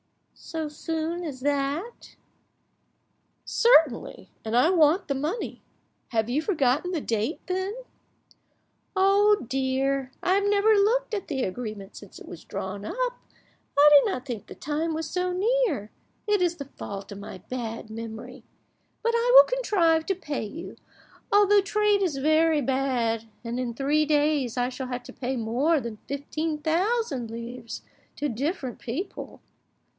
"So soon as that?" "Certainly, and I want the money. Have you forgotten the date, then?" "Oh dear, I have never looked at the agreement since it was drawn up. I did not think the time was so near, it is the fault of my bad memory; but I will contrive to pay you, although trade is very bad, and in three days I shall have to pay more than fifteen thousand livres to different people."